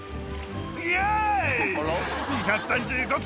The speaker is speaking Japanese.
イエーイ！